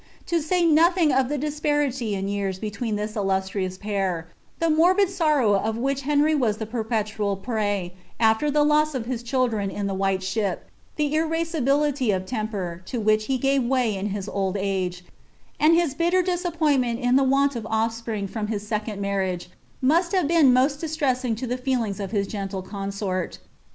To Bay noiiiiii^ of liie (lispariiy in yrare between this iUusirioua pair, llie morbiil Borraw of wliich Heofy was the perpetual prey after the loss of hia cliiltlren is the white ship, the iraBcibility of temper to which he gave way in hi* old age, and his biller disappoin intent at the want of o&pritig from hii ■ecDud marriage, muai hare been mo«t distressing to the feeUng* of hit Setitle consort.